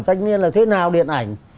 thanh niên là thế nào điện ảnh